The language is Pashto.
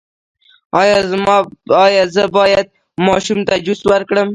ایا زه باید ماشوم ته جوس ورکړم؟